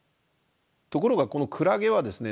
ところがこのクラゲはですね